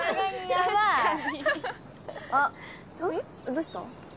どうした？